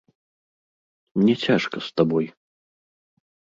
Мне цяжка з табой.